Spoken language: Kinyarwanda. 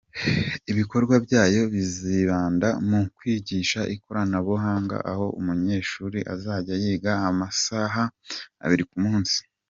Ibikorwa byayo bizibanda mu kwigisha ikoranabuhanga aho umunyeshuri azajya yiga masaha abiri ku munsi.